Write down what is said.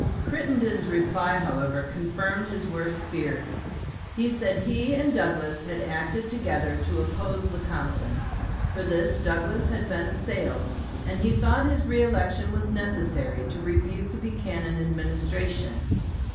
Crittenden's reply, however, confirmed his worst fears. He said he and Douglas had acted together to oppose Lecompton. For this Douglas had been assailed, and he thought his reëlection was necessary to rebuke the Buchanan Administration.